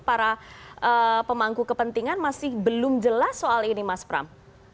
para pemangku kepentingan masih belum jelas soal ini mas pram